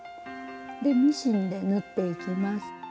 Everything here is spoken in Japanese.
でミシンで縫っていきます。